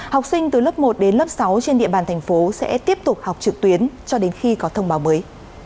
học sinh từ lớp một đến lớp sáu trên địa bàn thành phố sẽ tiếp tục học trực tuyến cho đến khi có thông báo mới